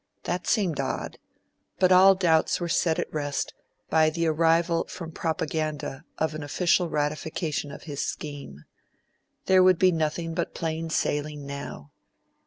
That seemed odd; but all doubts were set at rest by the arrival from Propaganda of an official ratification of his scheme. There would be nothing but plain sailing now.